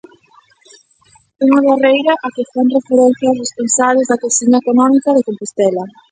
Unha barreira á que fan referencia as responsábeis da Cociña Económica de Compostela.